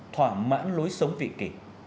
thỏa mãn lối sống vị kỷ